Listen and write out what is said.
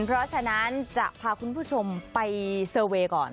เพราะฉะนั้นจะพาคุณผู้ชมไปเซอร์เวย์ก่อน